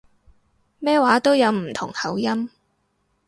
咩話都有唔同口音